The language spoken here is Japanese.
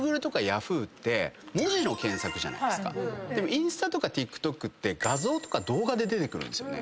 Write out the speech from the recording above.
インスタとかＴｉｋＴｏｋって画像とか動画で出てくるんです。